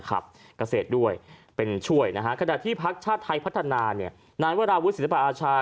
นะครับเกษตรด้วยเป็นช่วยนะฮะ